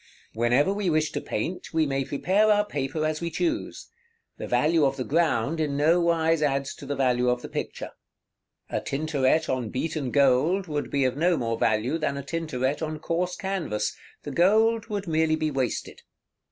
Whenever we wish to paint, we may prepare our paper as we choose; the value of the ground in no wise adds to the value of the picture. A Tintoret on beaten gold would be of no more value than a Tintoret on coarse canvas; the gold would merely be wasted.